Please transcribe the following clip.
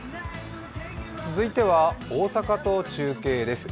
続いては大阪と中継です。